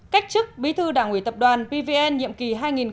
cách chức bí thư đảng ủy tập đoàn pvn nhiệm kỳ hai nghìn một mươi hai nghìn một mươi năm